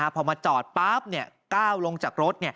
พอมาจอดป๊าบเนี่ยก้าวลงจากรถ